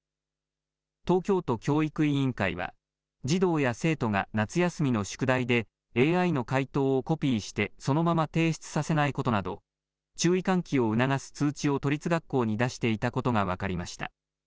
東京都教育委員会は児童や生徒が夏休みの宿題でＡＩの回答をコピーしてそのまま提出させないことなど注意喚起を促す通知を都立学校に出していたことが分かりました。